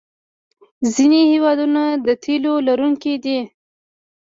ځینې هېوادونه د تیلو لرونکي دي.